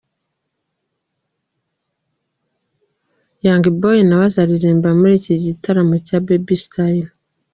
Young Boy nawe azaririmba muri iki gitaramo cya Baby Style.